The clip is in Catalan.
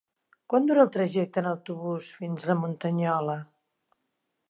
Quant dura el trajecte en autobús fins a Muntanyola?